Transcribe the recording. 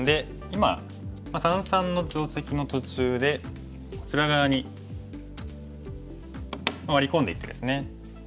今三々の定石の途中でこちら側にワリ込んでいってですね。